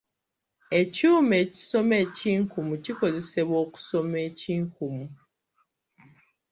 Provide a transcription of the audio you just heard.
Ekyuma ekisoma ekinkumu kikozesebwa okusoma ekinkumu.